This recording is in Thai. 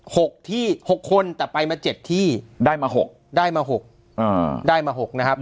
หกที่หกคนแต่ไปมาเจ็ดที่ได้มาหกได้มาหกอ่าได้มาหกนะครับ